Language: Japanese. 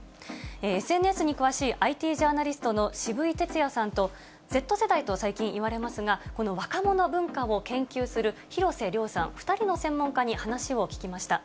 ＳＮＳに詳しいＩＴジャーナリストの渋井哲也さんと、Ｚ世代と最近いわれますが、この若者文化を研究する廣瀬涼さん、２人の専門家に話を聞きました。